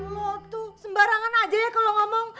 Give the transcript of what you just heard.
lo tuh sembarangan aja ya kalo ngomong